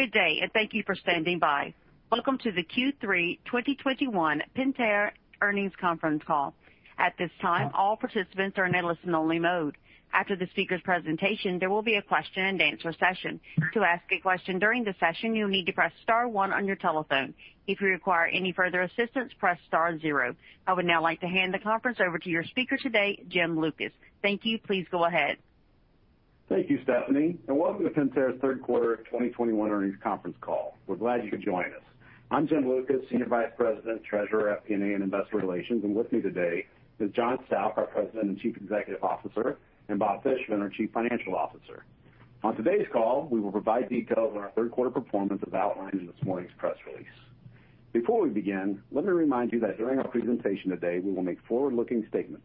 Good day, and thank you for standing by. Welcome to the Q3 2021 Pentair Earnings Conference Call. At this time, all participants are in a listen-only mode. After the speakers' presentation, there will be a question-and-answer session. To ask a question during the session, you'll need to press star one on your telephone. If you require any further assistance, press star zero. I would now like to hand the conference over to your speaker today, Jim Lucas. Thank you. Please go ahead. Thank you, Stephanie, and welcome to Pentair's third quarter of 2021 earnings conference call. We're glad you could join us. I'm Jim Lucas, Senior Vice President, Treasurer at Pentair and Investor Relations, and with me today is John Stauch, our President and Chief Executive Officer, and Bob Fishman, our Chief Financial Officer. On today's call, we will provide details on our third quarter performance as outlined in this morning's press release. Before we begin, let me remind you that during our presentation today, we will make forward-looking statements.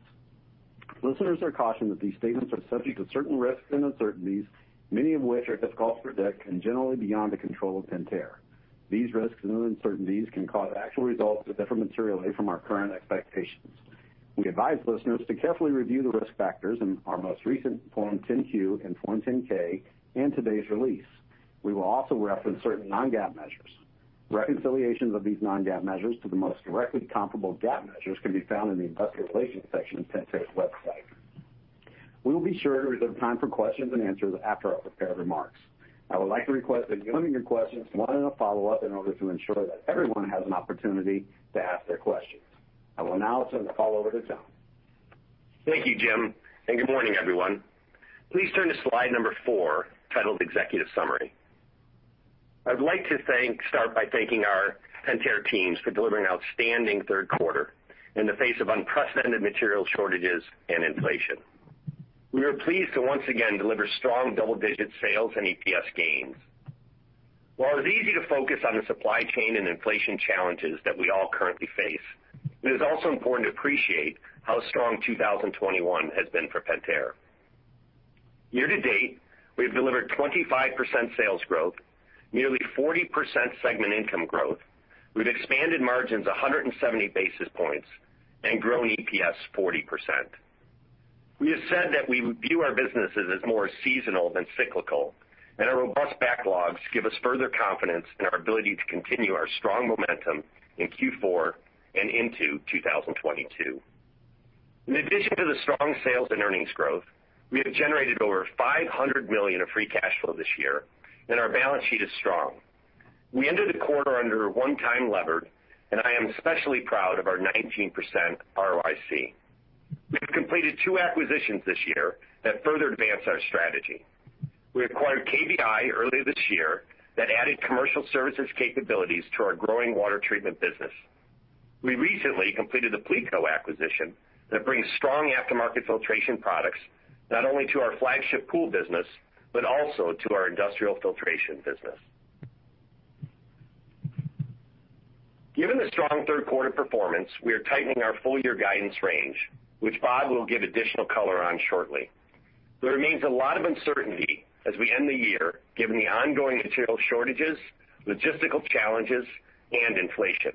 Listeners are cautioned that these statements are subject to certain risks and uncertainties, many of which are difficult to predict and generally beyond the control of Pentair. These risks and uncertainties can cause actual results to differ materially from our current expectations. We advise listeners to carefully review the risk factors in our most recent Form 10-Q and Form 10-K in today's release. We will also reference certain non-GAAP measures. Reconciliations of these non-GAAP measures to the most directly comparable GAAP measures can be found in the investor relations section of Pentair's website. We will be sure to reserve time for questions and answers after our prepared remarks. I would like to request that you limit your questions to one and a follow-up in order to ensure that everyone has an opportunity to ask their questions. I will now turn the call over to John. Thank you, Jim, and good morning, everyone. Please turn to slide numberfour4, titled Executive Summary. Start by thanking our Pentair teams for delivering outstanding third quarter in the face of unprecedented material shortages and inflation. We are pleased to once again deliver strong double-digit sales and EPS gains. While it's easy to focus on the supply chain and inflation challenges that we all currently face, it is also important to appreciate how strong 2021 has been for Pentair. Year to date, we have delivered 25% sales growth, nearly 40% segment income growth. We've expanded margins 170 basis points and grown EPS 40%. We have said that we view our businesses as more seasonal than cyclical, and our robust backlogs give us further confidence in our ability to continue our strong momentum in Q4 and into 2022. In addition to the strong sales and earnings growth, we have generated over $500 million of free cash flow this year, and our balance sheet is strong. We ended the quarter under 1x leverage, and I am especially proud of our 19% ROIC. We have completed two acquisitions this year that further advance our strategy. We acquired KBI earlier this year that added commercial services capabilities to our growing water treatment business. We recently completed the Pleatco acquisition that brings strong aftermarket filtration products, not only to our flagship pool business, but also to our industrial filtration business. Given the strong third quarter performance, we are tightening our full-year guidance range, which Bob will give additional color on shortly. There remains a lot of uncertainty as we end the year, given the ongoing material shortages, logistical challenges, and inflation.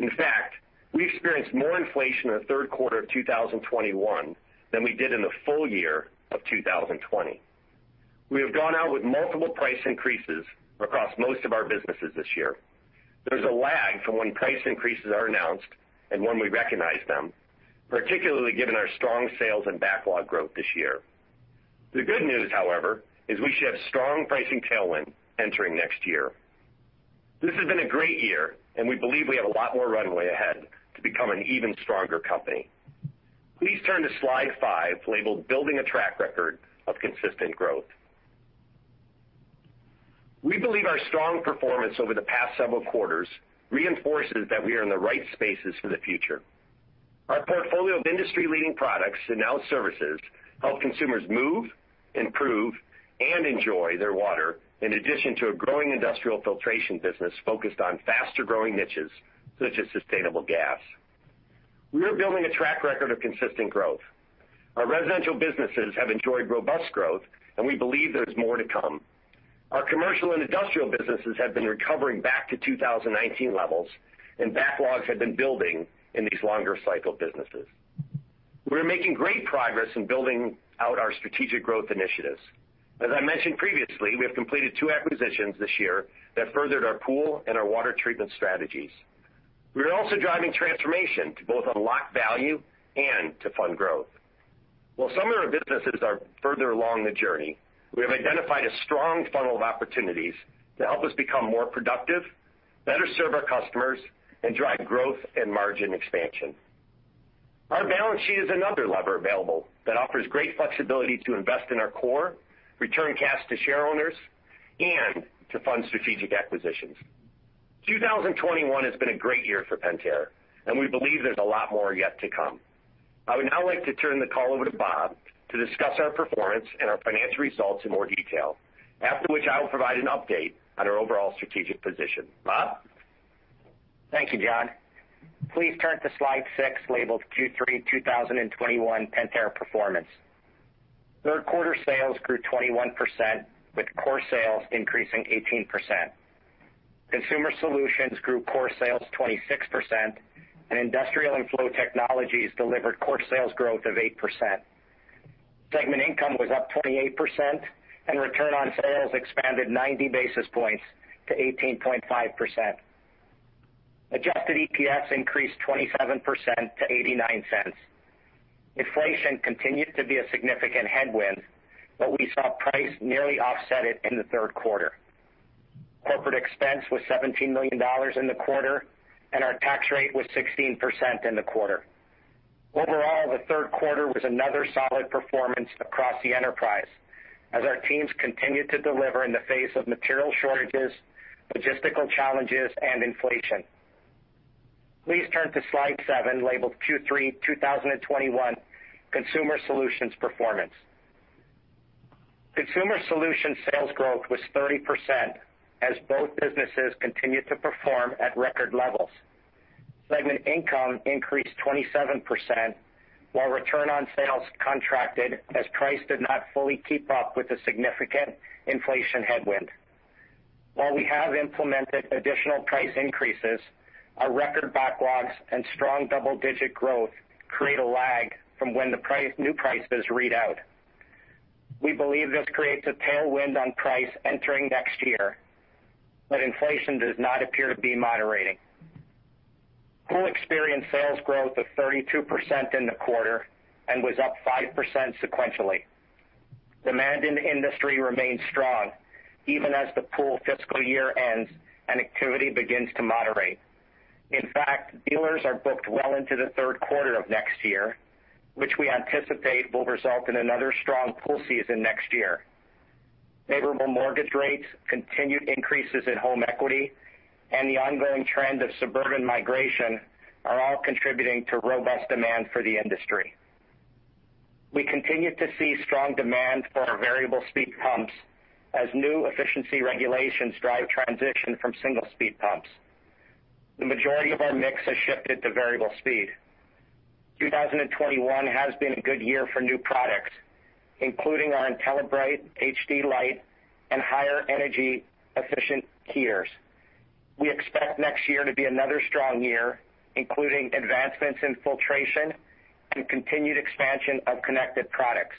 In fact, we experienced more inflation in the third quarter of 2021 than we did in the full year of 2020. We have gone out with multiple price increases across most of our businesses this year. There's a lag from when price increases are announced and when we recognize them, particularly given our strong sales and backlog growth this year. The good news, however, is we should have strong pricing tailwind entering next year. This has been a great year, and we believe we have a lot more runway ahead to become an even stronger company. Please turn to slide five, labeled Building a Track Record of Consistent Growth. We believe our strong performance over the past several quarters reinforces that we are in the right spaces for the future. Our portfolio of industry-leading products and now services help consumers move, improve, and enjoy their water in addition to a growing industrial filtration business focused on faster-growing niches such as sustainable gas. We are building a track record of consistent growth. Our residential businesses have enjoyed robust growth, and we believe there's more to come. Our commercial and industrial businesses have been recovering back to 2019 levels, and backlogs have been building in these longer cycle businesses. We're making great progress in building out our strategic growth initiatives. As I mentioned previously, we have completed two acquisitions this year that furthered our pool and our water treatment strategies. We are also driving transformation to both unlock value and to fund growth. While some of our businesses are further along the journey, we have identified a strong funnel of opportunities to help us become more productive, better serve our customers, and drive growth and margin expansion. Our balance sheet is another lever available that offers great flexibility to invest in our core, return cash to shareowners, and to fund strategic acquisitions. 2021 has been a great year for Pentair, and we believe there's a lot more yet to come. I would now like to turn the call over to Bob to discuss our performance and our financial results in more detail, after which I will provide an update on our overall strategic position. Bob? Thank you, John. Please turn to slide six, labeled Q3 2021 Pentair Performance. Third quarter sales grew 21%, with core sales increasing 18%. Consumer Solutions grew core sales 26% and Industrial & Flow Technologies delivered core sales growth of 8%. Segment income was up 28% and return on sales expanded 90 basis points to 18.5%. Adjusted EPS increased 27% to $0.89. Inflation continued to be a significant headwind, but we saw price nearly offset it in the third quarter. Corporate expense was $17 million in the quarter, and our tax rate was 16% in the quarter. Overall, the third quarter was another solid performance across the enterprise as our teams continued to deliver in the face of material shortages, logistical challenges, and inflation. Please turn to slide seven, labeled Q3 2021 Consumer Solutions Performance. Consumer Solutions sales growth was 30% as both businesses continued to perform at record levels. Segment income increased 27%, while return on sales contracted as price did not fully keep up with the significant inflation headwind. While we have implemented additional price increases, our record backlogs and strong double-digit growth create a lag from when the new prices read out. We believe this creates a tailwind on price entering next year, but inflation does not appear to be moderating. Pool experienced sales growth of 32% in the quarter and was up 5% sequentially. Demand in the industry remains strong even as the pool fiscal year ends and activity begins to moderate. In fact, dealers are booked well into the third quarter of next year, which we anticipate will result in another strong pool season next year. Favorable mortgage rates, continued increases in home equity, and the ongoing trend of suburban migration are all contributing to robust demand for the industry. We continue to see strong demand for our variable speed pumps as new efficiency regulations drive transition from single speed pumps. The majority of our mix has shifted to variable speed. 2021 has been a good year for new products, including our IntelliBrite HD light and higher energy efficient heaters. We expect next year to be another strong year, including advancements in filtration and continued expansion of connected products.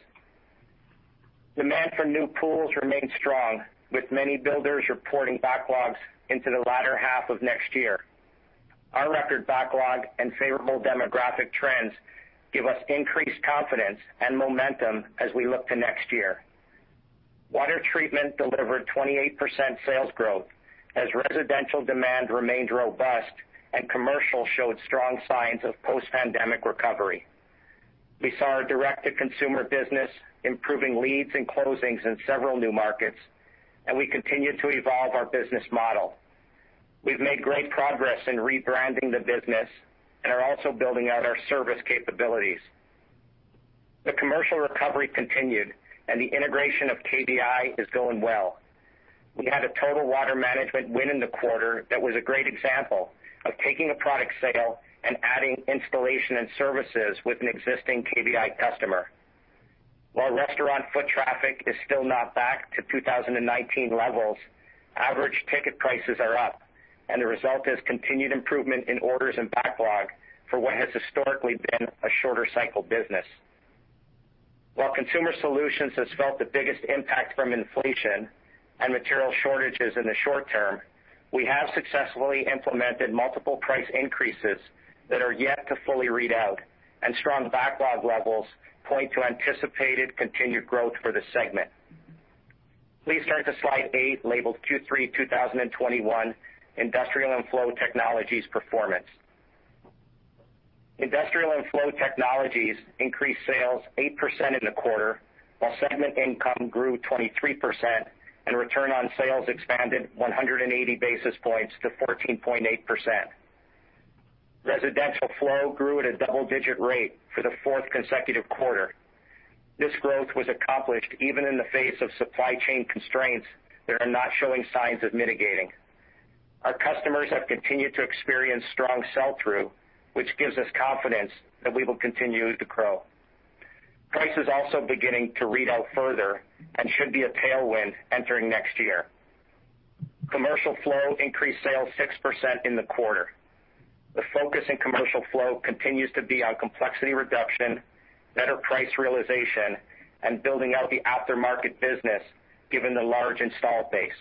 Demand for new pools remains strong, with many builders reporting backlogs into the latter half of next year. Our record backlog and favorable demographic trends give us increased confidence and momentum as we look to next year. Water treatment delivered 28% sales growth as residential demand remained robust and commercial showed strong signs of post-pandemic recovery. We saw our direct-to-consumer business improving leads and closings in several new markets, and we continue to evolve our business model. We've made great progress in rebranding the business and are also building out our service capabilities. The commercial recovery continued and the integration of KBI is going well. We had a total water management win in the quarter that was a great example of taking a product sale and adding installation and services with an existing KBI customer. While restaurant foot traffic is still not back to 2019 levels, average ticket prices are up, and the result is continued improvement in orders and backlog for what has historically been a shorter cycle business. While Consumer Solutions has felt the biggest impact from inflation and material shortages in the short term, we have successfully implemented multiple price increases that are yet to fully read out, and strong backlog levels point to anticipated continued growth for the segment. Please turn to slide eight, labeled Q3 2021 Industrial & Flow Technologies Performance. Industrial & Flow Technologies increased sales 8% in the quarter, while segment income grew 23% and return on sales expanded 180 basis points to 14.8%. Residential Flow grew at a double-digit rate for the fourth consecutive quarter. This growth was accomplished even in the face of supply chain constraints that are not showing signs of mitigating. Our customers have continued to experience strong sell-through, which gives us confidence that we will continue to grow. Price is also beginning to read out further and should be a tailwind entering next year. Commercial Flow increased sales 6% in the quarter. The focus in Commercial Flow continues to be on complexity reduction, better price realization, and building out the aftermarket business given the large installed base.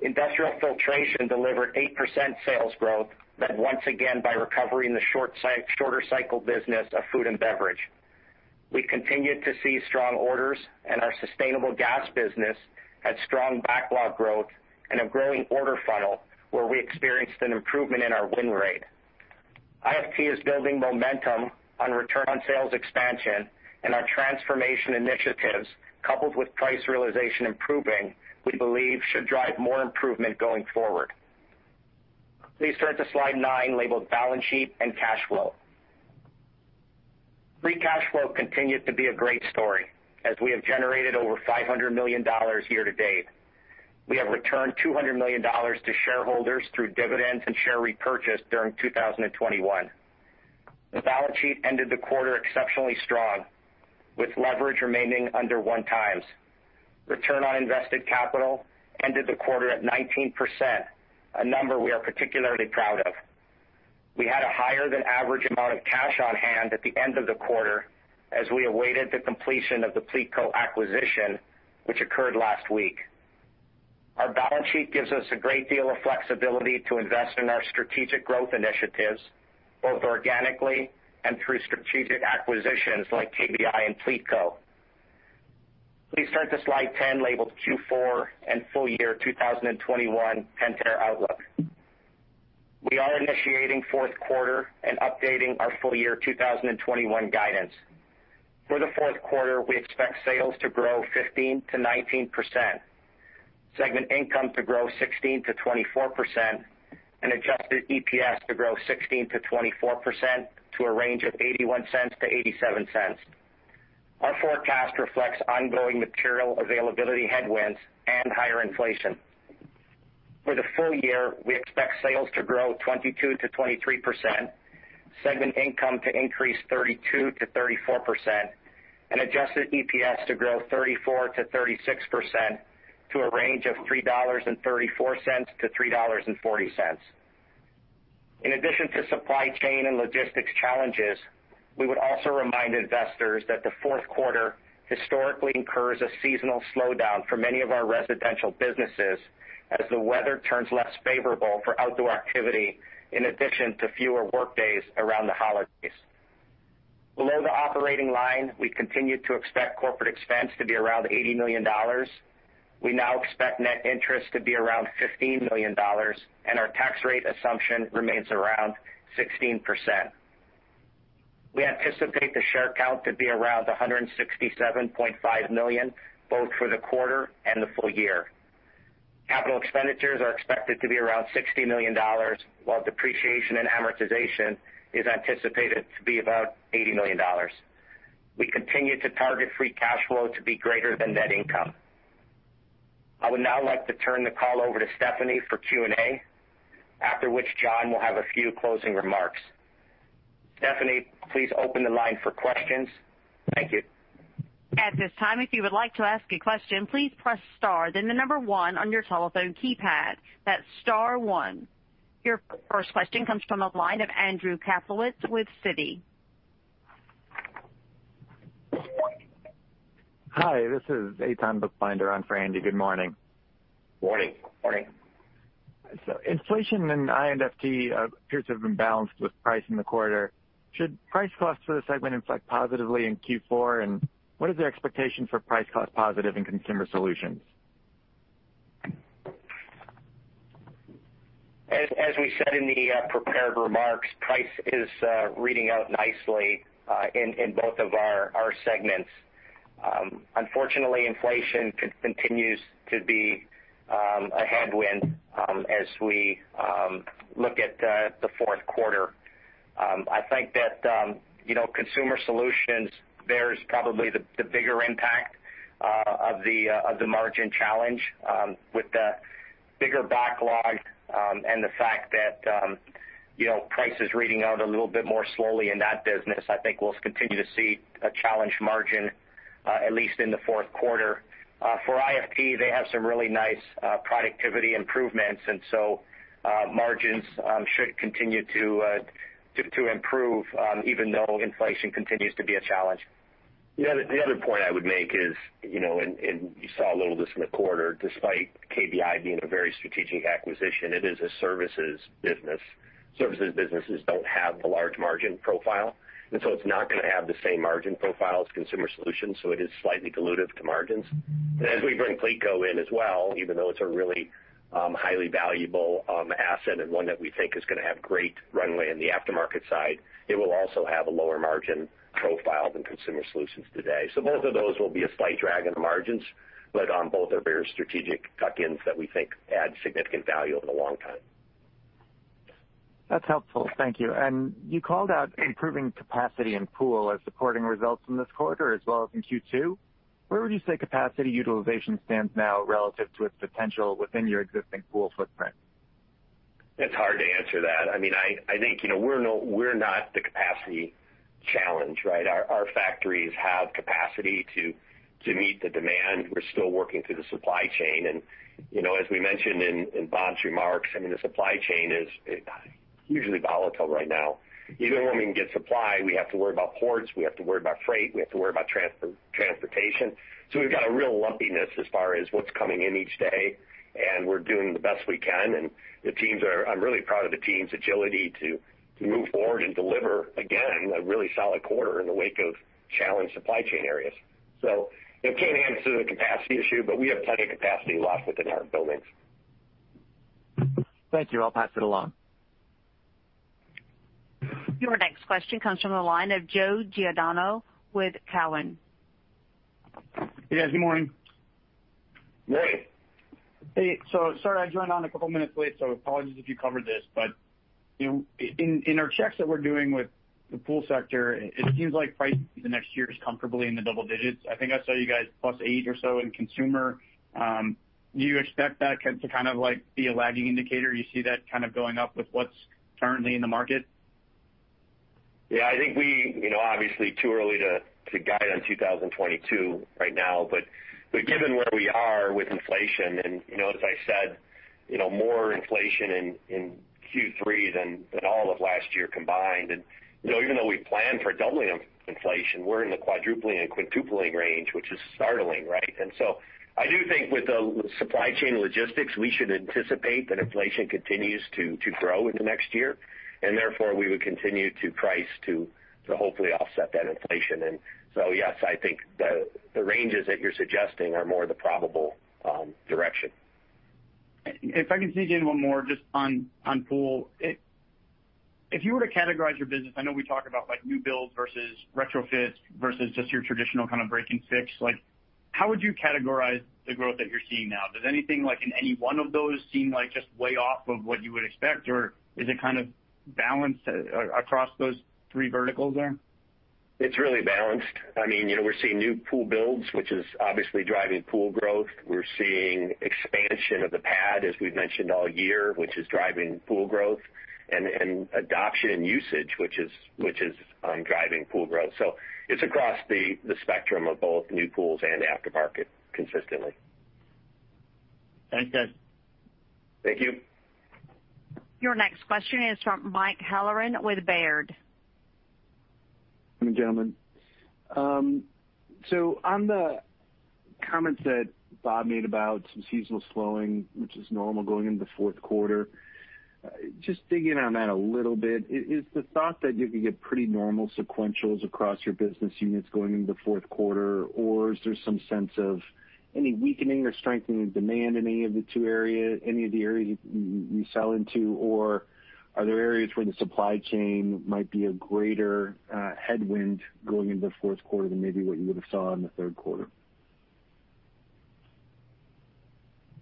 Industrial filtration delivered 8% sales growth led once again by recovery in the shorter cycle business of food and beverage. We continued to see strong orders, and our sustainable gas business had strong backlog growth and a growing order funnel where we experienced an improvement in our win rate. I&FT is building momentum on return on sales expansion and our transformation initiatives, coupled with price realization improving, we believe should drive more improvement going forward. Please turn to slide nine, labeled Balance Sheet and Cash Flow. Free cash flow continued to be a great story as we have generated over $500 million year to date. We have returned $200 million to shareholders through dividends and share repurchase during 2021. The balance sheet ended the quarter exceptionally strong, with leverage remaining under 1x. Return on invested capital ended the quarter at 19%, a number we are particularly proud of. We had a higher than average amount of cash on hand at the end of the quarter as we awaited the completion of the Pleatco acquisition, which occurred last week. Our balance sheet gives us a great deal of flexibility to invest in our strategic growth initiatives, both organically and through strategic acquisitions like KBI and Pleatco. Please turn to slide 10, labeled Q4 and full year 2021 Pentair Outlook. We are initiating fourth quarter and updating our full year 2021 guidance. For the fourth quarter, we expect sales to grow 15%-19%, segment income to grow 16%-24%, and adjusted EPS to grow 16%-24% to a range of $0.81-$0.87. Our forecast reflects ongoing material availability headwinds and higher inflation. For the full year, we expect sales to grow 22%-23%, segment income to increase 32%-34%, and adjusted EPS to grow 34%-36% to a range of $3.34-$3.40. In addition to supply chain and logistics challenges, we would also remind investors that the fourth quarter historically incurs a seasonal slowdown for many of our residential businesses as the weather turns less favorable for outdoor activity, in addition to fewer work days around the holidays. Below the operating line, we continue to expect corporate expense to be around $80 million. We now expect net interest to be around $15 million, and our tax rate assumption remains around 16%. We anticipate the share count to be around 167.5 million, both for the quarter and the full year. Capital expenditures are expected to be around $60 million, while depreciation and amortization is anticipated to be about $80 million. We continue to target free cash flow to be greater than net income. I would now like to turn the call over to Stephanie for Q&A, after which John will have a few closing remarks. Stephanie, please open the line for questions. Thank you. Your first question comes from the line of Andrew Kaplowitz with Citi. Hi, this is Eitan Buchbinder on for Andy. Good morning. Morning. Morning. Inflation in I&FT appears to have been balanced with price in the quarter. Should price costs for the segment inflect positively in Q4? What is the expectation for price cost positive in Consumer Solutions? As we said in the prepared remarks, price is reading out nicely in both of our segments. Unfortunately, inflation continues to be a headwind as we look at the fourth quarter. I think that you know, Consumer Solutions bears probably the bigger impact of the margin challenge with the bigger backlog and the fact that you know, price is reading out a little bit more slowly in that business. I think we'll continue to see a challenged margin at least in the fourth quarter. For I&FT, they have some really nice productivity improvements, and margins should continue to improve even though inflation continues to be a challenge. The other point I would make is, and you saw a little of this in the quarter, despite KBI being a very strategic acquisition, it is a services business. Services businesses don't have the large margin profile, and so it's not gonna have the same margin profile as Consumer Solutions, so it is slightly dilutive to margins. As we bring Pleatco in as well, even though it's a really highly valuable asset and one that we think is gonna have great runway in the aftermarket side, it will also have a lower margin profile than Consumer Solutions today. Both of those will be a slight drag on the margins, but both are very strategic tuck-ins that we think add significant value over the long term. That's helpful. Thank you. You called out improving capacity in pool as supporting results in this quarter as well as in Q2. Where would you say capacity utilization stands now relative to its potential within your existing pool footprint? It's hard to answer that. I mean, I think, you know, we're not the capacity challenge, right? Our factories have capacity to meet the demand. We're still working through the supply chain. You know, as we mentioned in Bob's remarks, I mean, the supply chain is hugely volatile right now. Even when we can get supply, we have to worry about ports, we have to worry about freight, we have to worry about transportation. We've got a real lumpiness as far as what's coming in each day, and we're doing the best we can. I'm really proud of the team's agility to move forward and deliver, again, a really solid quarter in the wake of challenged supply chain areas. I can't answer the capacity issue, but we have plenty of capacity left within our buildings. Thank you. I'll pass it along. Your next question comes from the line of Joe Giordano with Cowen. Yes, good morning. Morning. Hey. Sorry, I joined a couple minutes late, so apologies if you covered this. You know, in our checks that we're doing with the pool sector, it seems like pricing next year is comfortably in the double digits. I think I saw you guys +8% or so in consumer. Do you expect that check to kind of like be a lagging indicator? Do you see that kind of going up with what's currently in the market? Yeah, I think we, you know, obviously too early to guide on 2022 right now. Given where we are with inflation and, you know, as I said, you know, more inflation in Q3 than all of last year combined. You know, even though we plan for doubling inflation, we're in the quadrupling and quintupling range, which is startling, right? I do think with the supply chain logistics, we should anticipate that inflation continues to grow in the next year, and therefore we would continue to price to hopefully offset that inflation. Yes, I think the ranges that you're suggesting are more the probable direction. If I can dig in one more just on pool. If you were to categorize your business, I know we talk about like new builds versus retrofits versus just your traditional kind of break and fix. Like, how would you categorize the growth that you're seeing now? Does anything like in any one of those seem like just way off of what you would expect? Or is it kind of balanced across those three verticals there? It's really balanced. I mean, you know, we're seeing new pool builds, which is obviously driving pool growth. We're seeing expansion of the pad, as we've mentioned all year, which is driving pool growth and adoption and usage, which is driving pool growth. It's across the spectrum of both new pools and aftermarket consistently. Thanks, guys. Thank you. Your next question is from Michael Halloran with Baird. Good morning, gentlemen. On the comments that Bob made about some seasonal slowing, which is normal going into the fourth quarter, just digging on that a little bit. Is the thought that you could get pretty normal sequentials across your business units going into the fourth quarter? Or is there some sense of any weakening or strengthening of demand in any of the areas you sell into? Or are there areas where the supply chain might be a greater headwind going into the fourth quarter than maybe what you would have saw in the third quarter?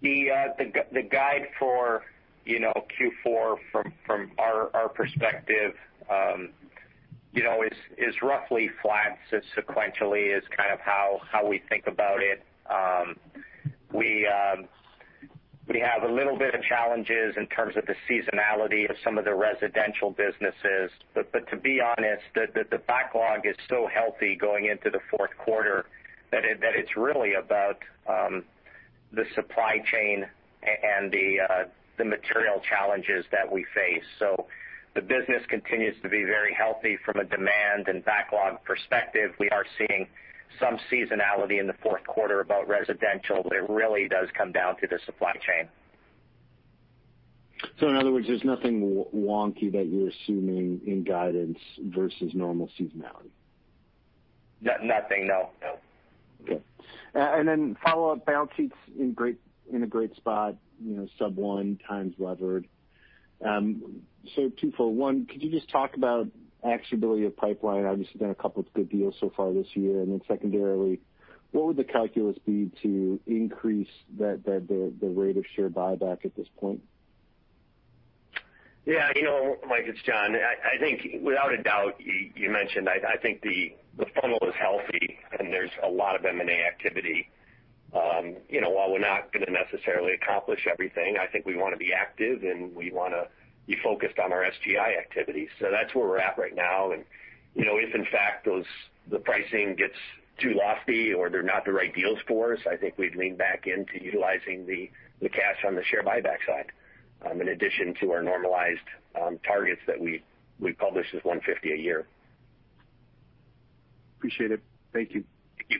The guide for, you know, Q4 from our perspective, you know, is roughly flat sequentially, kind of how we think about it. We have a little bit of challenges in terms of the seasonality of some of the residential businesses. To be honest, the backlog is so healthy going into the fourth quarter that it's really about the supply chain and the material challenges that we face. The business continues to be very healthy from a demand and backlog perspective. We are seeing some seasonality in the fourth quarter about residential, but it really does come down to the supply chain. In other words, there's nothing wonky that you're assuming in guidance versus normal seasonality. Nothing, no. No. Okay. Follow-up, balance sheet's in a great spot, you know, sub 1x levered. 2-for-1, could you just talk about actionability of pipeline? Obviously done a couple of good deals so far this year. Secondarily, what would the calculus be to increase the rate of share buyback at this point? Yeah. You know, Mike, it's John. I think without a doubt, you mentioned. I think the funnel is healthy and there's a lot of M&A activity. You know, while we're not gonna necessarily accomplish everything, I think we wanna be active, and we wanna be focused on our SGI activities. That's where we're at right now. You know, if in fact those, the pricing gets too lofty or they're not the right deals for us, I think we'd lean back into utilizing the cash on the share buyback side, in addition to our normalized targets that we published as $150 million a year. Appreciate it. Thank you. Thank you.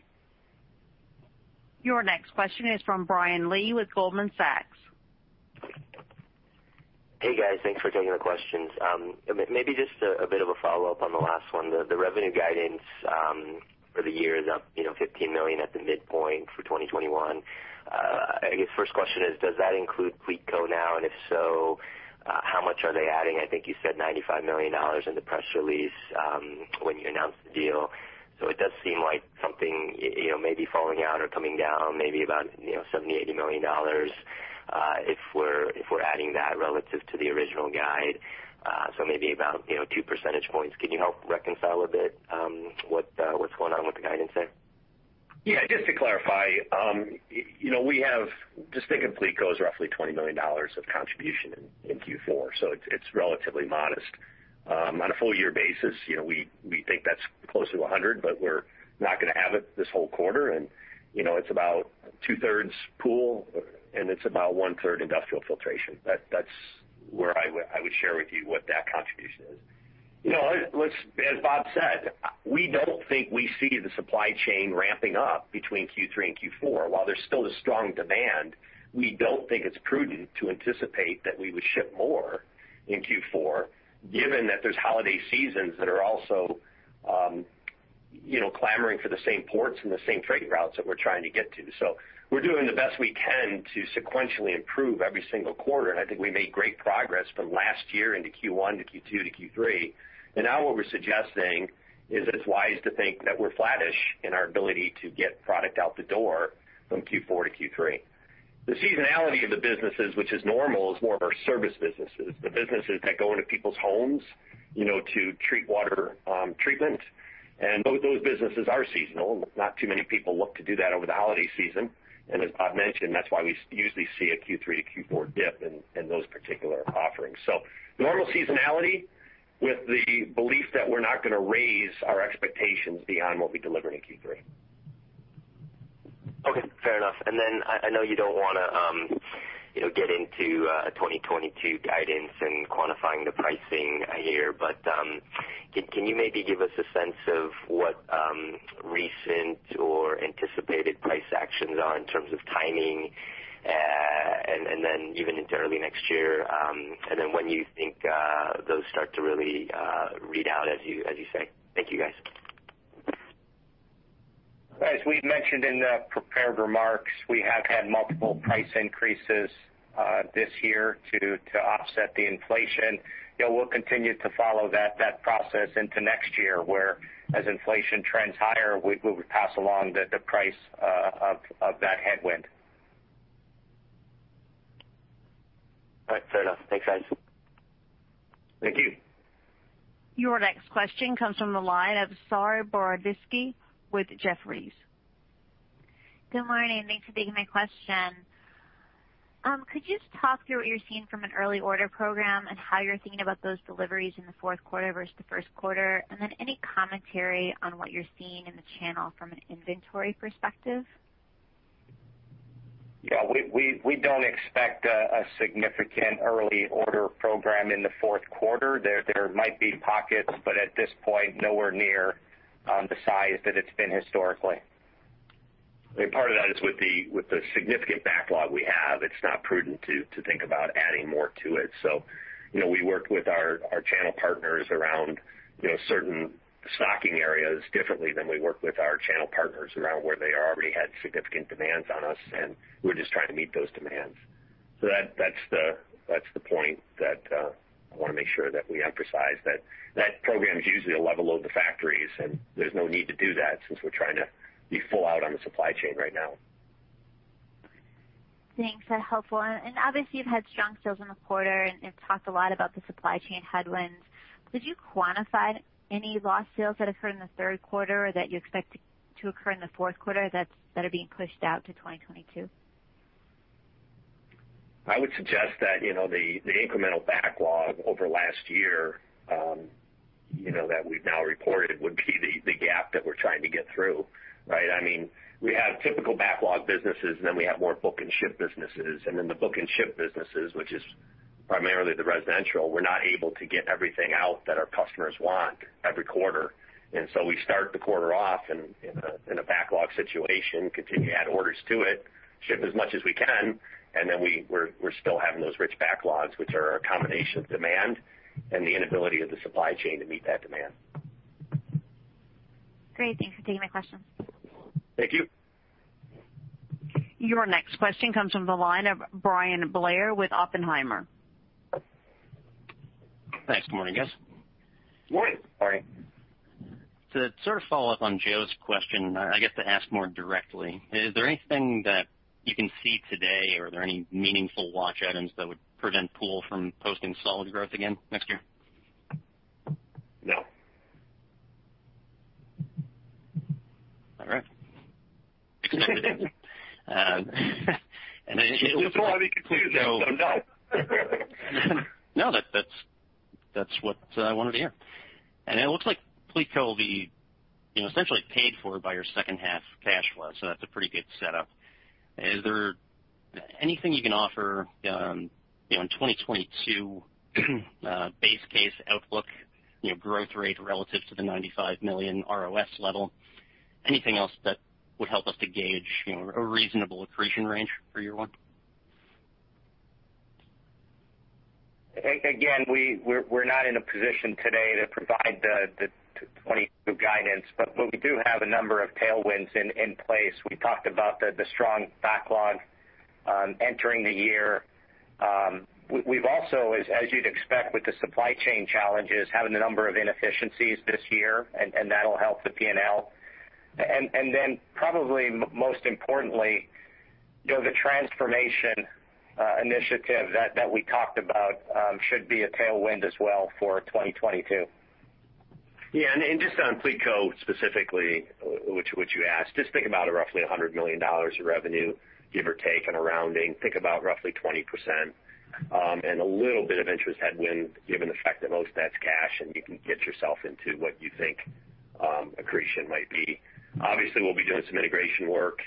Your next question is from Brian Lee with Goldman Sachs. Hey, guys. Thanks for taking the questions. Maybe just a bit of a follow-up on the last one. The revenue guidance for the year is up, you know, $15 million at the midpoint for 2021. I guess first question is, does that include Pleatco now? And if so, how much are they adding? I think you said $95 million in the press release when you announced the deal. So it does seem like something, you know, may be falling out or coming down maybe about, you know, $70-$80 million if we're adding that relative to the original guide. So maybe about, you know, 2 percentage points. Can you help reconcile a bit what's going on with the guidance there? Yeah, just to clarify, you know, we have just thinking Pleatco is roughly $20 million of contribution in Q4, so it's relatively modest. On a full year basis, you know, we think that's closer to $100 million, but we're not gonna have it this whole quarter. You know, it's about two-thirds pool and it's about one-third industrial filtration. That's where I would share with you what that contribution is. You know, as Bob said, we don't think we see the supply chain ramping up between Q3 and Q4. While there's still a strong demand, we don't think it's prudent to anticipate that we would ship more in Q4, given that there's holiday seasons that are also, you know, clamoring for the same ports and the same trade routes that we're trying to get to. We're doing the best we can to sequentially improve every single quarter. I think we made great progress from last year into Q1 to Q2 to Q3. Now what we're suggesting is it's wise to think that we're flattish in our ability to get product out the door from Q4 to Q3. The seasonality of the businesses, which is normal, is more of our service businesses, the businesses that go into people's homes, you know, to treat water, treatment. Those businesses are seasonal. Not too many people look to do that over the holiday season. As Bob mentioned, that's why we usually see a Q3 to Q4 dip in those particular offerings. Normal seasonality with the belief that we're not gonna raise our expectations beyond what we delivered in Q3. Okay, fair enough. I know you don't wanna, you know, get into 2022 guidance and quantifying the pricing here, but can you maybe give us a sense of what recent or anticipated price actions are in terms of timing, and then even into early next year, and then when you think those start to really read out as you say? Thank you, guys. As we've mentioned in the prepared remarks, we have had multiple price increases this year to offset the inflation. You know, we'll continue to follow that process into next year, whereas inflation trends higher, we will pass along the price of that headwind. All right, fair enough. Thanks, guys. Thank you. Your next question comes from the line of Saree Boroditsky with Jefferies. Good morning, and thanks for taking my question. Could you just talk through what you're seeing from an early order program and how you're thinking about those deliveries in the fourth quarter versus the first quarter? Any commentary on what you're seeing in the channel from an inventory perspective? Yeah, we don't expect a significant early order program in the fourth quarter. There might be pockets, but at this point, nowhere near the size that it's been historically. I mean, part of that is with the significant backlog we have. It's not prudent to think about adding more to it. You know, we work with our channel partners around certain stocking areas differently than we work with our channel partners around where they already had significant demands on us, and we're just trying to meet those demands. That's the point that I want to make sure that we emphasize, that that program's usually a level load on the factories, and there's no need to do that since we're trying to be full out on the supply chain right now. Thanks. That's helpful. Obviously, you've had strong sales in the quarter and have talked a lot about the supply chain headwinds. Could you quantify any lost sales that occurred in the third quarter or that you expect to occur in the fourth quarter that are being pushed out to 2022? I would suggest that, you know, the incremental backlog over last year that we've now reported would be the gap that we're trying to get through, right? I mean, we have typical backlog businesses, and then we have more book and ship businesses. The book and ship businesses, which is primarily the residential, we're not able to get everything out that our customers want every quarter. We start the quarter off in a backlog situation, continue to add orders to it, ship as much as we can, and then we're still having those rich backlogs, which are a combination of demand and the inability of the supply chain to meet that demand. Great. Thanks for taking my question. Thank you. Your next question comes from the line of Bryan Blair with Oppenheimer. Thanks. Good morning, guys. Morning. Morning. To sort of follow up on Joe's question, I get to ask more directly. Is there anything that you can see today, or are there any meaningful watch items that would prevent Pool from posting solid growth again next year? No. All right. It looks like Pleatco. Before I get confused, I said no. No, that's what I wanted to hear. It looks like Pleatco will be, you know, essentially paid for by your second half cash flow, so that's a pretty good setup. Is there anything you can offer, you know, in 2022, base case outlook, you know, growth rate relative to the 95 million ROS level? Anything else that would help us to gauge, you know, a reasonable accretion range for year one? Again, we're not in a position today to provide the 2022 guidance, but we do have a number of tailwinds in place. We talked about the strong backlog entering the year. We've also, as you'd expect with the supply chain challenges, having a number of inefficiencies this year, and that'll help the P&L. Then probably most importantly, you know, the transformation initiative that we talked about should be a tailwind as well for 2022. Yeah. Just on Pleatco specifically, which you asked, just think about roughly $100 million of revenue, give or take, and a rounding. Think about roughly 20%, and a little bit of interest headwind, given the fact that most that's cash and you can get yourself into what you think, accretion might be. Obviously, we'll be doing some integration work,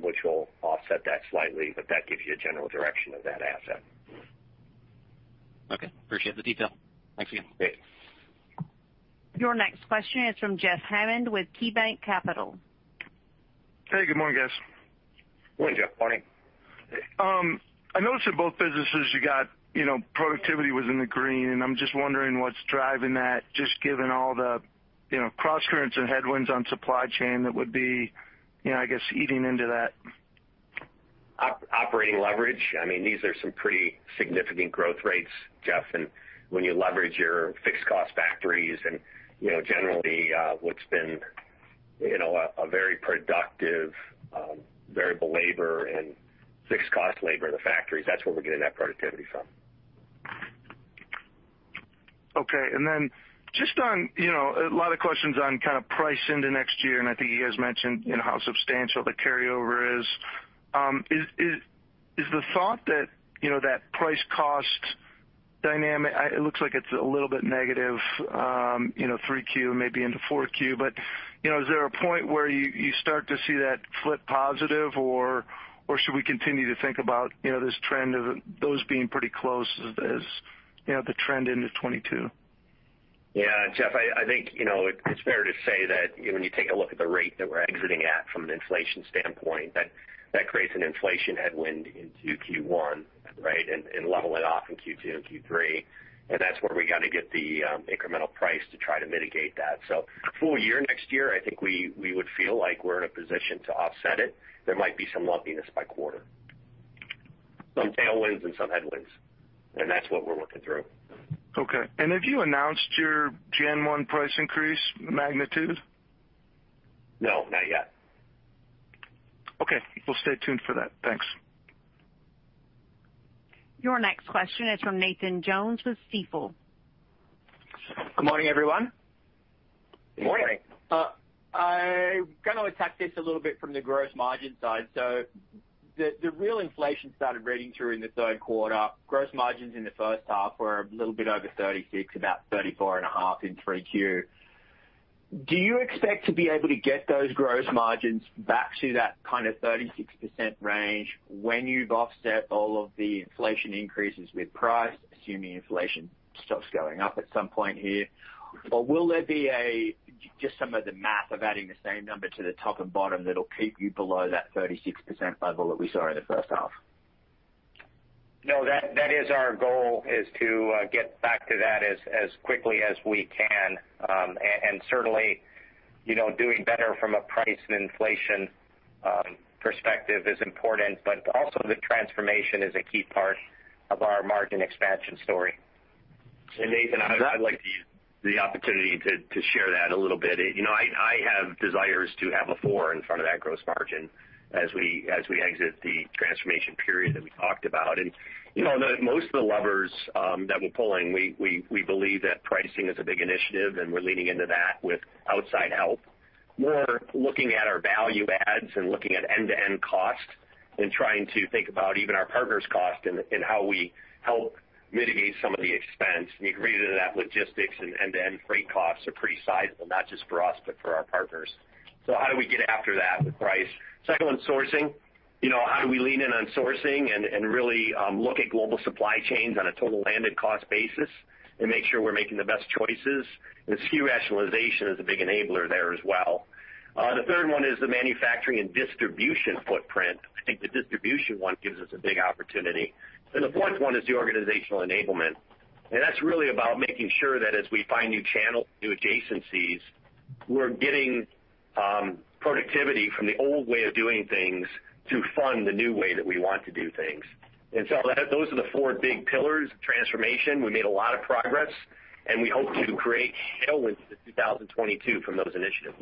which will offset that slightly, but that gives you a general direction of that asset. Okay. Appreciate the detail. Thanks again. Great. Your next question is from Jeff Hammond with KeyBanc Capital. Hey, good morning, guys. Morning, Jeff. Morning. I noticed in both businesses you got, you know, productivity was in the green, and I'm just wondering what's driving that, just given all the, you know, crosscurrents and headwinds on supply chain that would be, you know, I guess, eating into that. Operating leverage. I mean, these are some pretty significant growth rates, Jeff. When you leverage your fixed cost factories and, you know, generally, what's been, you know, a very productive variable labor and fixed cost labor in the factories, that's where we're getting that productivity from. Okay. Just on, you know, a lot of questions on kind of price into next year, and I think you guys mentioned, you know, how substantial the carryover is. Is the thought that, you know, that price cost dynamic. It looks like it's a little bit negative, you know, 3Q, maybe into 4Q. Is there a point where you start to see that flip positive or should we continue to think about, you know, this trend of those being pretty close as, you know, the trend into 2022? Yeah, Jeff, I think, you know, it's fair to say that when you take a look at the rate that we're exiting at from an inflation standpoint, that creates an inflation headwind into Q1, right? Level it off in Q2 and Q3. That's where we got to get the incremental price to try to mitigate that. Full year next year, I think we would feel like we're in a position to offset it. There might be some lumpiness by quarter. Some tailwinds and some headwinds, and that's what we're working through. Okay. Have you announced your gen one price increase magnitude? No, not yet. Okay. We'll stay tuned for that. Thanks. Your next question is from Nathan Jones with Stifel. Good morning, everyone. Good morning. I'm gonna attack this a little bit from the gross margin side. The real inflation started reading through in the third quarter. Gross margins in the first half were a little bit over 36%, about 34.5% in Q3. Do you expect to be able to get those gross margins back to that kind of 36% range when you've offset all of the inflation increases with price, assuming inflation stops going up at some point here? Will there be just some of the math of adding the same number to the top and bottom that'll keep you below that 36% level that we saw in the first half? No, that is our goal is to get back to that as quickly as we can. Certainly, you know, doing better from a price and inflation perspective is important, but also the transformation is a key part of our margin expansion story. Nathan, I'd like to use the opportunity to share that a little bit. You know, I have desires to have a four in front of that gross margin as we exit the transformation period that we talked about. You know, the most of the levers that we're pulling, we believe that pricing is a big initiative, and we're leaning into that with outside help. More looking at our value adds and looking at end-to-end costs and trying to think about even our partners' cost and how we help mitigate some of the expense. You agree that logistics and end-to-end freight costs are pretty sizable, not just for us, but for our partners. How do we get after that with price? Second one, sourcing. You know, how do we lean in on sourcing and really look at global supply chains on a total landed cost basis and make sure we're making the best choices? SKU rationalization is a big enabler there as well. The third one is the manufacturing and distribution footprint. I think the distribution one gives us a big opportunity. The fourth one is the organizational enablement. That's really about making sure that as we find new channels, new adjacencies, we're getting productivity from the old way of doing things to fund the new way that we want to do things. Those are the four big pillars of transformation. We made a lot of progress, and we hope to create tailwinds in 2022 from those initiatives.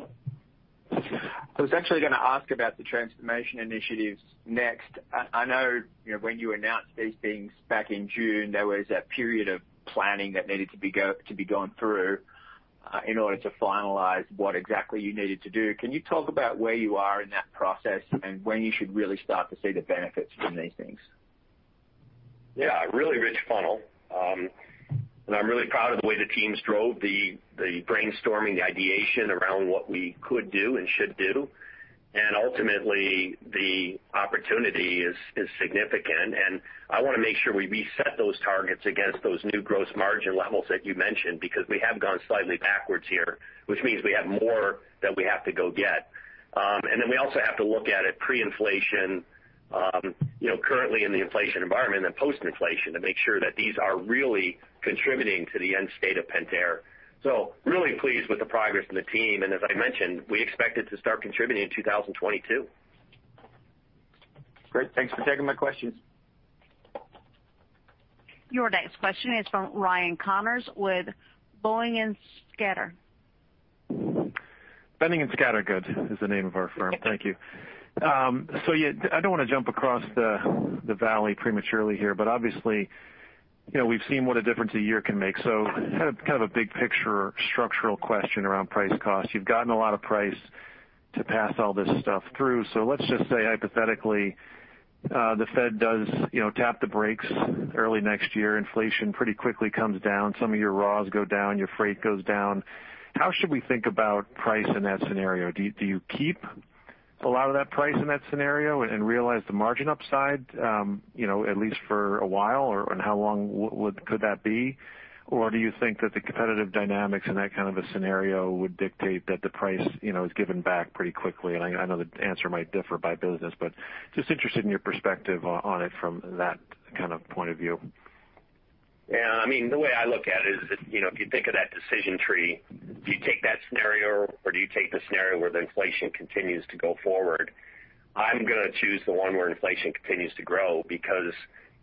I was actually gonna ask about the transformation initiatives next. I know, you know, when you announced these things back in June, there was a period of planning that needed to be gone through in order to finalize what exactly you needed to do. Can you talk about where you are in that process and when you should really start to see the benefits from these things? Yeah, really rich funnel. I'm really proud of the way the teams drove the brainstorming, the ideation around what we could do and should do. Ultimately, the opportunity is significant. I wanna make sure we reset those targets against those new gross margin levels that you mentioned, because we have gone slightly backwards here, which means we have more that we have to go get. Then we also have to look at it pre-inflation, you know, currently in the inflation environment and post-inflation to make sure that these are really contributing to the end state of Pentair. Really pleased with the progress in the team. As I mentioned, we expect it to start contributing in 2022. Great. Thanks for taking my questions. Your next question is from Ryan Connors with Boenning & Scattergood. Boenning & Scattergood is the name of our firm. Thank you. I don't wanna jump across the valley prematurely here, but obviously, you know, we've seen what a difference a year can make. Kind of a big picture structural question around price cost. You've gotten a lot of price to pass all this stuff through. Let's just say hypothetically, the Fed does, you know, tap the brakes early next year. Inflation pretty quickly comes down. Some of your raws go down, your freight goes down. How should we think about price in that scenario? Do you keep a lot of that price in that scenario and realize the margin upside, you know, at least for a while? Or, how long could that be? Do you think that the competitive dynamics in that kind of a scenario would dictate that the price, you know, is given back pretty quickly? I know the answer might differ by business, but just interested in your perspective on it from that kind of point of view. Yeah, I mean, the way I look at it is, you know, if you think of that decision tree, do you take that scenario or do you take the scenario where the inflation continues to go forward? I'm gonna choose the one where inflation continues to grow because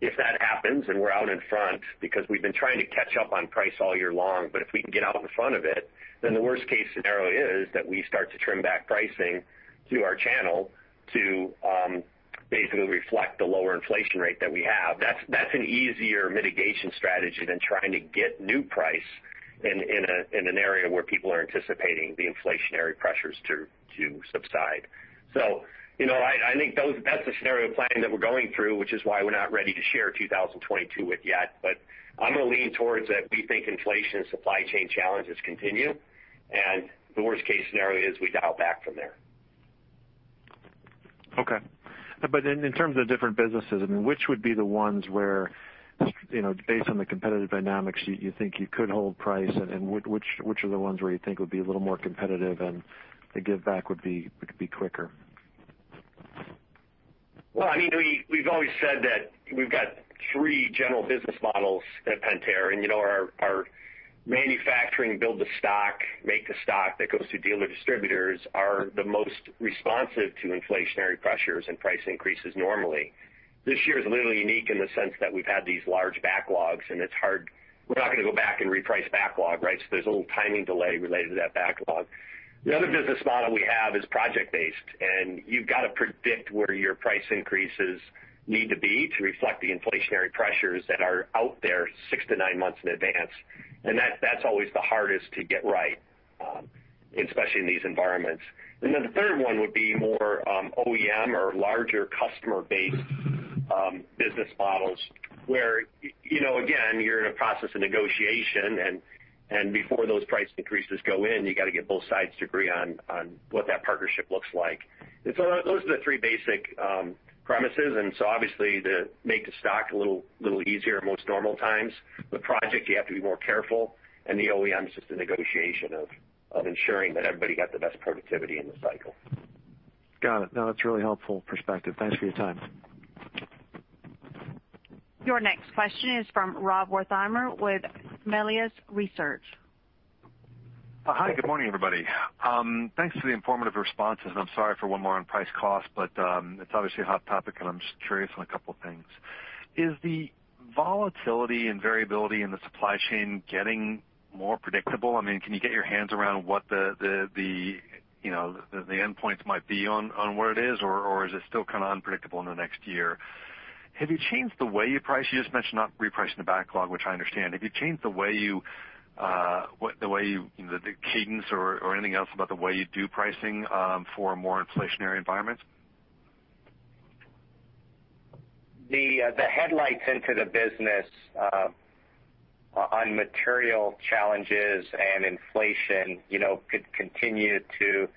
if that happens and we're out in front because we've been trying to catch up on price all year long, but if we can get out in front of it, then the worst case scenario is that we start to trim back pricing through our channel to basically reflect the lower inflation rate that we have. That's an easier mitigation strategy than trying to get new pricing in an area where people are anticipating the inflationary pressures to subside. You know, I think that's the scenario planning that we're going through, which is why we're not ready to share 2022 yet. I'm gonna lean towards that we think inflation and supply chain challenges continue, and the worst case scenario is we dial back from there. Okay. In terms of different businesses, I mean, which would be the ones where, you know, based on the competitive dynamics, you think you could hold price? Which are the ones where you think would be a little more competitive and the give back would be quicker? Well, I mean, we've always said that we've got three general business models at Pentair. You know, our manufacturing build to stock, make to stock that goes through dealer distributors are the most responsive to inflationary pressures and price increases normally. This year is a little unique in the sense that we've had these large backlogs, and it's hard. We're not gonna go back and reprice backlog, right? There's a little timing delay related to that backlog. The other business model we have is project based, and you've gotta predict where your price increases need to be to reflect the inflationary pressures that are out there six to nine months in advance. That's always the hardest to get right, especially in these environments. Then the third one would be more OEM or larger customer-based business models, where you know, again, you're in a process of negotiation, and before those price increases go in, you gotta get both sides to agree on what that partnership looks like. So those are the three basic premises. So obviously the make to stock, a little easier in most normal times. The project, you have to be more careful. The OEM is just a negotiation of ensuring that everybody got the best productivity in the cycle. Got it. No, that's a really helpful perspective. Thanks for your time. Your next question is from Rob Wertheimer with Melius Research. Hi, good morning, everybody. Thanks for the informative responses, and I'm sorry for one more on price cost, but it's obviously a hot topic, and I'm just curious on a couple things. Is the volatility and variability in the supply chain getting more predictable? I mean, can you get your hands around what the you know the end points might be on where it is, or is it still kind of unpredictable in the next year? Have you changed the way you price? You just mentioned not repricing the backlog, which I understand. Have you changed the cadence or anything else about the way you do pricing for a more inflationary environment? The headwinds to the business on material challenges and inflation, you know, could continue to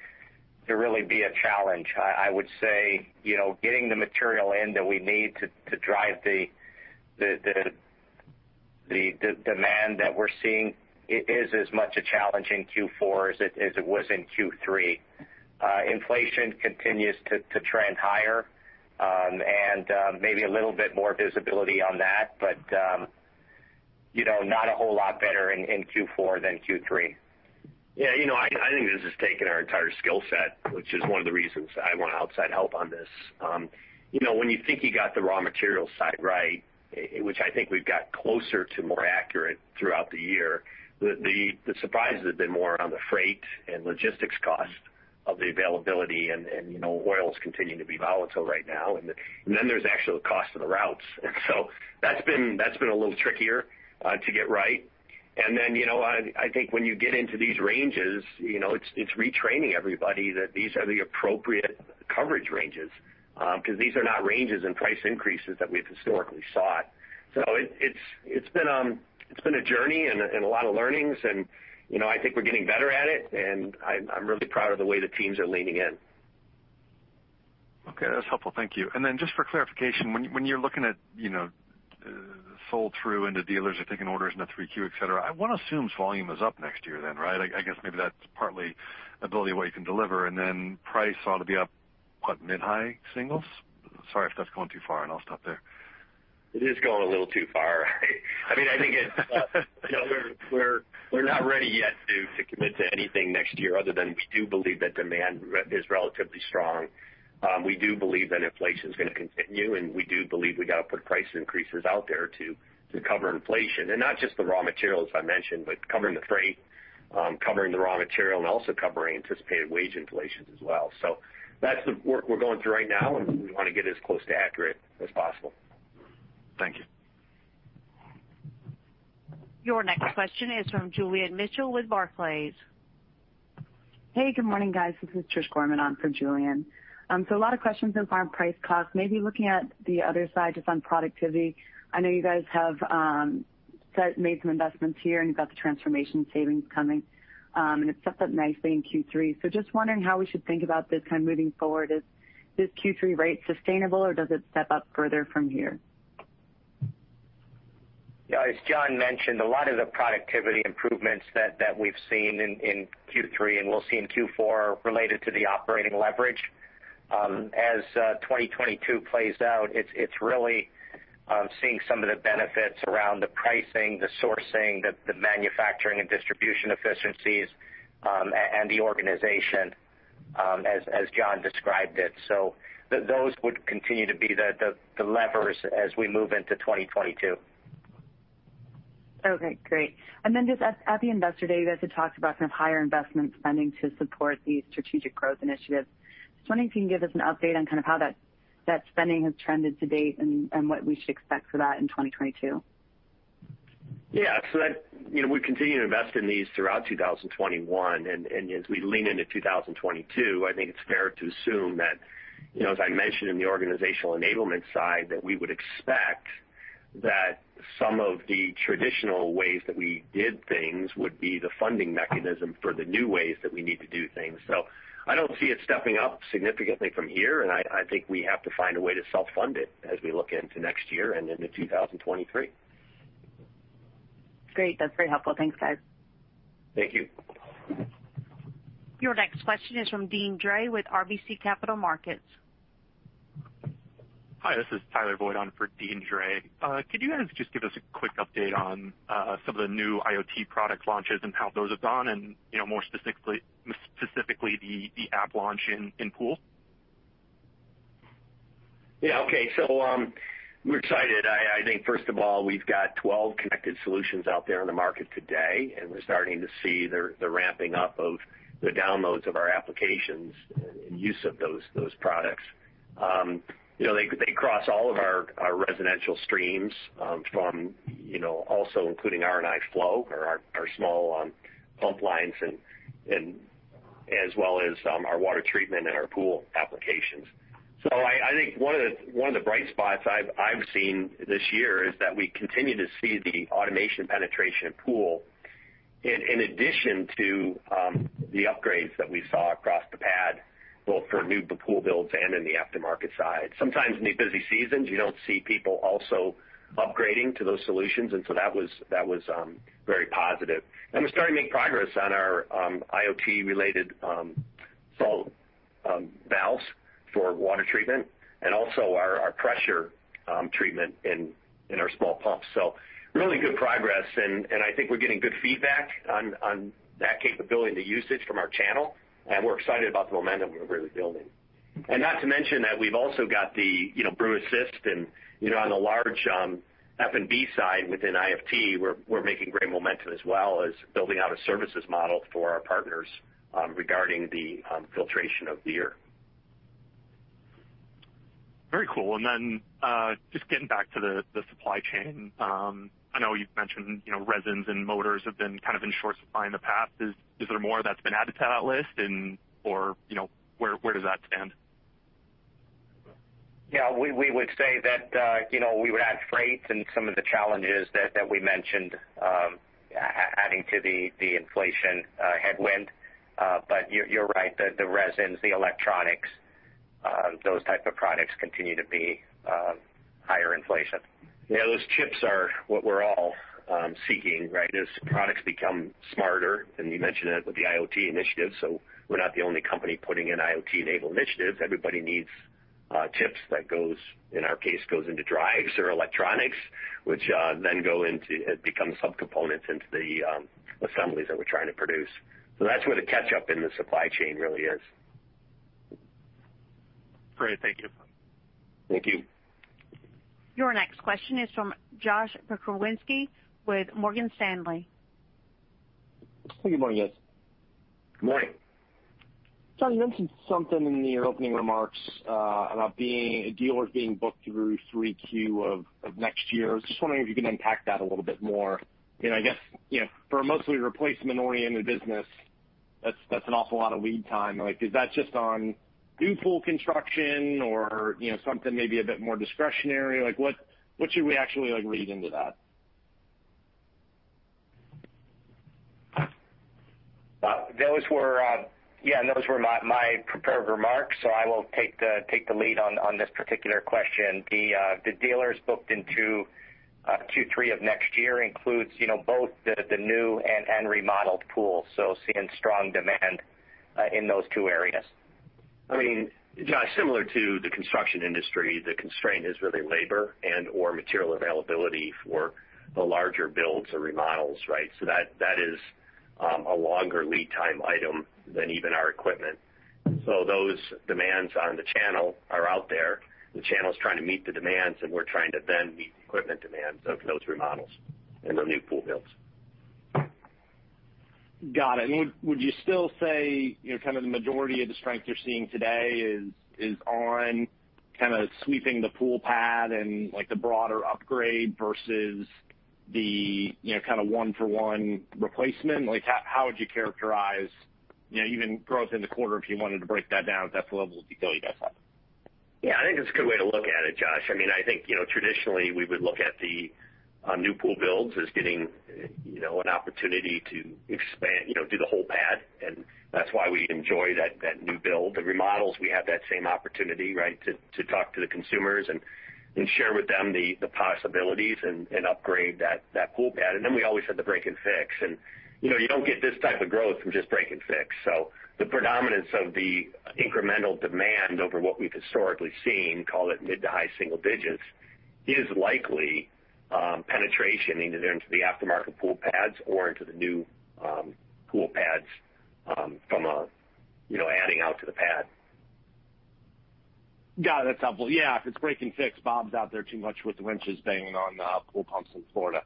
really be a challenge. I would say, you know, getting the material in that we need to drive the demand that we're seeing is as much a challenge in Q4 as it was in Q3. Inflation continues to trend higher, and maybe a little bit more visibility on that. But you know, not a whole lot better in Q4 than Q3. Yeah, you know, I think this has taken our entire skill set, which is one of the reasons I want outside help on this. You know, when you think you got the raw material side right, which I think we've got closer to more accurate throughout the year, the surprises have been more around the freight and logistics costs and the availability. You know, oil's continuing to be volatile right now. There's actually the cost of the routes. That's been a little trickier to get right. You know, I think when you get into these ranges, you know, it's retraining everybody that these are the appropriate coverage ranges, because these are not ranges and price increases that we've historically sought. It's been a journey and a lot of learnings, you know, I think we're getting better at it, and I'm really proud of the way the teams are leaning in. Okay, that's helpful. Thank you. Just for clarification, when you're looking at, you know, sold through into dealers or taking orders into Q3, et cetera, I wanna assume volume is up next year then, right? I guess maybe that's partly ability of what you can deliver, and then price ought to be up, what, mid-high singles? Sorry if that's going too far, and I'll stop there. It is going a little too far, right? I mean, I think it's you know, we're not ready yet to commit to anything next year other than we do believe that demand is relatively strong. We do believe that inflation is gonna continue, and we do believe we gotta put price increases out there to cover inflation. Not just the raw materials I mentioned, but covering the freight, covering the raw material, and also covering anticipated wage inflations as well. That's the work we're going through right now, and we wanna get as close to accurate as possible. Thank you. Your next question is from Julian Mitchell with Barclays. Hey, good morning, guys. This is Trish Gorman on for Julian. A lot of questions so far on price cost. Maybe looking at the other side just on productivity. I know you guys have made some investments here, and you've got the transformation savings coming, and it's stepped up nicely in Q3. Just wondering how we should think about this kind of moving forward. Is this Q3 rate sustainable, or does it step up further from here? Yeah. As John mentioned, a lot of the productivity improvements that we've seen in Q3 and we'll see in Q4 are related to the operating leverage. As 2022 plays out, it's really seeing some of the benefits around the pricing, the sourcing, the manufacturing and distribution efficiencies, and the organization, as John described it. Those would continue to be the levers as we move into 2022. Okay, great. Just at the Investor Day, you guys had talked about kind of higher investment spending to support these strategic growth initiatives. Just wondering if you can give us an update on kind of how that's. That spending has trended to date and what we should expect for that in 2022. Yeah. That, you know, we continue to invest in these throughout 2021, and as we lean into 2022, I think it's fair to assume that, you know, as I mentioned in the organizational enablement side, that we would expect that some of the traditional ways that we did things would be the funding mechanism for the new ways that we need to do things. I don't see it stepping up significantly from here, and I think we have to find a way to self-fund it as we look into next year and into 2023. Great. That's very helpful. Thanks, guys. Thank you. Your next question is from Deane Dray with RBC Capital Markets. Hi, this is Tyler Voigt on for Deane Dray. Could you guys just give us a quick update on some of the new IoT product launches and how those have gone and, you know, more specifically the app launch in pool? Yeah. Okay. We're excited. I think, first of all, we've got 12 connected solutions out there in the market today, and we're starting to see the ramping up of the downloads of our applications and use of those products. You know, they cross all of our residential streams, from, you know, also including R&I Flow or our small pump lines and as well as our water treatment and our pool applications. I think one of the bright spots I've seen this year is that we continue to see the automation penetration pool in addition to the upgrades that we saw across the board, both for new pool builds and in the aftermarket side. Sometimes in these busy seasons you don't see people also upgrading to those solutions, and so that was very positive. We're starting to make progress on our IoT related salt valves for water treatment and also our pressure treatment in our small pumps. Really good progress and I think we're getting good feedback on that capability and the usage from our channel, and we're excited about the momentum we're really building. Not to mention that we've also got the you know BrewAssist and you know on the large F&B side within I&FT we're making great momentum as well as building out a services model for our partners regarding the filtration of beer. Very cool. Just getting back to the supply chain. I know you've mentioned, you know, resins and motors have been kind of in short supply in the past. Is there more that's been added to that list, or, you know, where does that stand? Yeah. We would say that, you know, we would add freight and some of the challenges that we mentioned, adding to the inflation headwind. You're right. The resins, the electronics, those type of products continue to be higher inflation. Yeah. Those chips are what we're all seeking, right? As products become smarter, and you mentioned that with the IoT initiative, we're not the only company putting in IoT-enabled initiatives. Everybody needs chips that, in our case, go into drives or electronics, which it becomes subcomponents into the assemblies that we're trying to produce. That's where the catch-up in the supply chain really is. Great. Thank you. Thank you. Your next question is from Josh Pokrzywinski with Morgan Stanley. Good morning, guys. Good morning. John, you mentioned something in your opening remarks about dealers being booked through 3Q of next year. I was just wondering if you can unpack that a little bit more. You know, I guess, you know, for a mostly replacement-oriented business, that's an awful lot of lead time. Like, is that just on new pool construction or, you know, something maybe a bit more discretionary? Like, what should we actually, like, read into that? Those were my prepared remarks. I will take the lead on this particular question. The dealers booked into two, three of next year includes, you know, both the new and remodeled pools, so seeing strong demand in those two areas. I mean, Josh, similar to the construction industry, the constraint is really labor and/or material availability for the larger builds or remodels, right? That is a longer lead time item than even our equipment. Those demands on the channel are out there. The channel's trying to meet the demands, and we're trying to then meet the equipment demands of those remodels and the new pool builds. Got it. Would you still say, you know, kind of the majority of the strength you're seeing today is on kinda sweeping the pool pad and, like, the broader upgrade versus the, you know, kind of one for one replacement? Like, how would you characterize, you know, even growth in the quarter if you wanted to break that down at that level of detail, you guys have? Yeah, I think that's a good way to look at it, Josh. I mean, I think, you know, traditionally we would look at the new pool builds as getting, you know, an opportunity to expand, you know, do the whole pad, and that's why we enjoy that new build. The remodels, we have that same opportunity, right, to talk to the consumers and share with them the possibilities and upgrade that pool pad. We always have the break and fix. You know, you don't get this type of growth from just break and fix. The predominance of the incremental demand over what we've historically seen, call it mid- to high-single digits, is likely penetration into the aftermarket pool pads or into the new pool pads from a, you know, adding out to the pad. Got it. That's helpful. Yeah, if it's break and fix, Bob's out there too much with the wrenches banging on the pool pumps in Florida.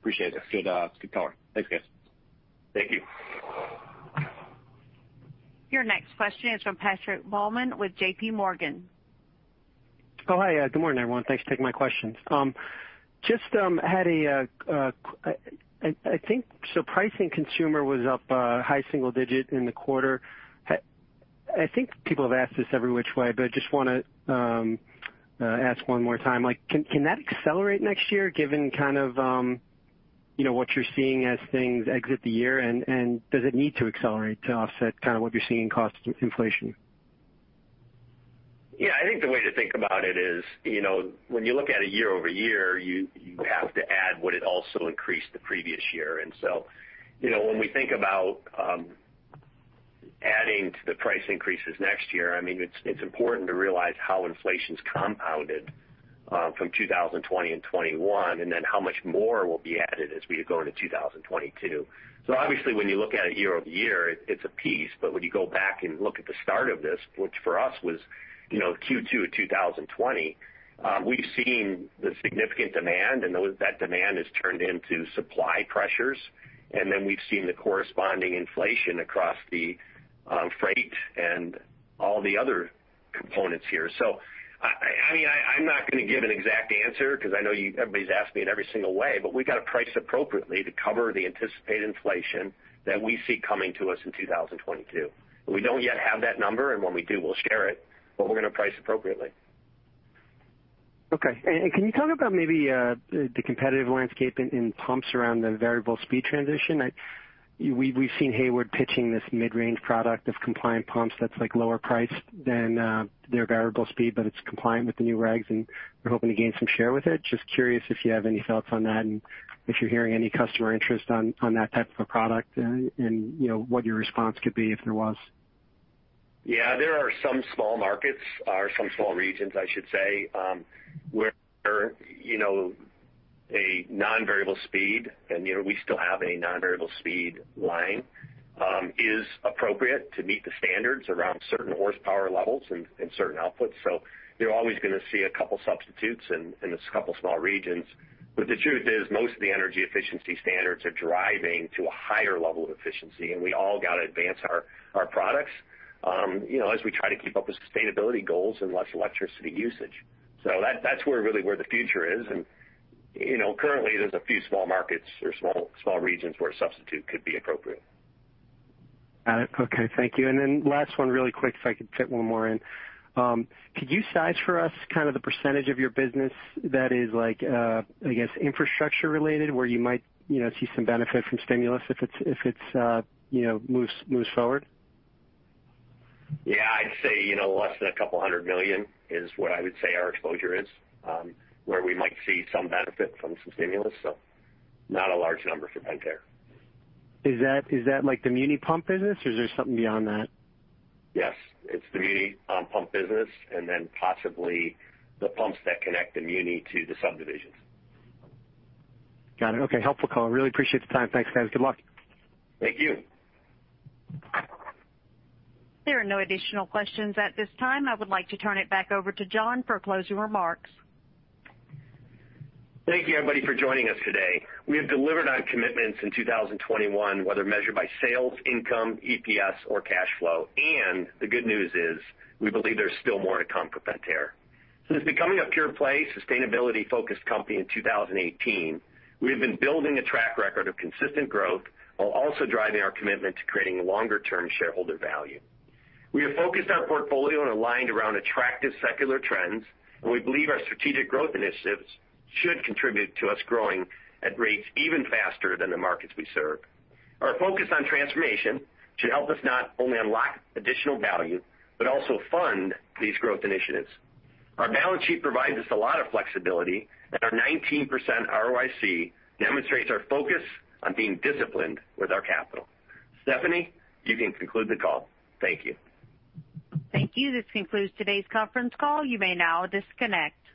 Appreciate it. Good, good color. Thanks, guys. Thank you. Your next question is from Patrick Baumann with JPMorgan. Oh, hi. Good morning, everyone. Thanks for taking my questions. I think pricing, Consumer was up high single digit in the quarter. I think people have asked this every which way, but I just wanna ask one more time, like can that accelerate next year given kind of, you know, what you're seeing as things exit the year? Does it need to accelerate to offset kind of what you're seeing in cost inflation? Yeah. I think the way to think about it is, you know, when you look at it year-over-year, you have to add what it also increased in the previous year. You know, when we think about adding to the price increases next year, I mean, it's important to realize how inflation's compounded from 2020 and 2021, and then how much more will be added as we go into 2022. Obviously, when you look at it year-over-year, it's a piece, but when you go back and look at the start of this, which for us was, you know, Q2 of 2020, we've seen the significant demand, and that demand has turned into supply pressures. Then we've seen the corresponding inflation across the freight and all the other components here. I mean, I'm not gonna give an exact answer 'cause I know you, everybody's asked me in every single way, but we gotta price appropriately to cover the anticipated inflation that we see coming to us in 2022. We don't yet have that number, and when we do, we'll share it, but we're gonna price appropriately. Okay. Can you talk about maybe the competitive landscape in pumps around the variable speed transition? We've seen Hayward pitching this mid-range product of compliant pumps that's like lower priced than their variable speed, but it's compliant with the new regs, and they're hoping to gain some share with it. Just curious if you have any thoughts on that, and if you're hearing any customer interest on that type of a product and, you know, what your response could be if there was. Yeah. There are some small markets or some small regions, I should say, where, you know, a non-variable speed, and, you know, we still have a non-variable speed line, is appropriate to meet the standards around certain horsepower levels and certain outputs. You're always gonna see a couple substitutes in a couple small regions. The truth is, most of the energy efficiency standards are driving to a higher level of efficiency, and we all gotta advance our products, you know, as we try to keep up with sustainability goals and less electricity usage. That, that's where really where the future is. You know, currently there's a few small markets or small regions where a substitute could be appropriate. Got it. Okay. Thank you. Last one really quick, if I could fit one more in. Could you size for us kind of the percentage of your business that is like, I guess infrastructure related, where you might, you know, see some benefit from stimulus if it's, you know, moves forward? Yeah. I'd say, you know, less than $200 million is what I would say our exposure is, where we might see some benefit from some stimulus, so not a large number for Pentair. Is that like the muni pump business, or is there something beyond that? Yes. It's the muni, pump business and then possibly the pumps that connect the muni to the subdivisions. Got it. Okay. Helpful call. I really appreciate the time. Thanks, guys. Good luck. Thank you. There are no additional questions at this time. I would like to turn it back over to John for closing remarks. Thank you, everybody, for joining us today. We have delivered on commitments in 2021, whether measured by sales, income, EPS or cash flow. The good news is we believe there's still more to come for Pentair. Since becoming a pure play, sustainability-focused company in 2018, we have been building a track record of consistent growth while also driving our commitment to creating longer term shareholder value. We have focused our portfolio and aligned around attractive secular trends, and we believe our strategic growth initiatives should contribute to us growing at rates even faster than the markets we serve. Our focus on transformation should help us not only unlock additional value, but also fund these growth initiatives. Our balance sheet provides us a lot of flexibility, and our 19% ROIC demonstrates our focus on being disciplined with our capital. Stephanie, you can conclude the call. Thank you. Thank you. This concludes today's conference call. You may now disconnect.